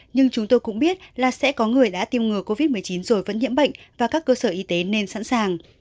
nhưng chúng tôi cũng biết là sẽ có người đã tiêm ngừa covid một mươi chín rồi vẫn nhiễm bệnh và các cơ sở y tế nên sẵn sàng